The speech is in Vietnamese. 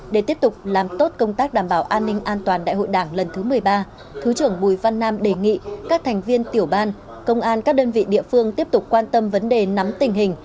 để tiếp tục làm tốt công tác đảm bảo an ninh an toàn đại hội đảng lần thứ một mươi ba thứ trưởng bùi văn nam đề nghị các thành viên tiểu ban công an các đơn vị địa phương tiếp tục quan tâm vấn đề nắm tình hình